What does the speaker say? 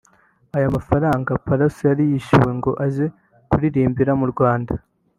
Aya mafaranga Pallaso yari yishyuwe ngo aze kuririmbira mu Rwanda